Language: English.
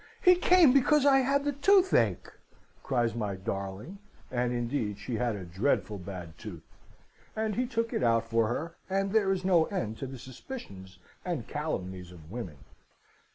"'He came because I had the toothache!' cries my darling (and indeed she had a dreadful bad tooth. And he took it out for her, and there is no end to the suspicions and calumnies of women).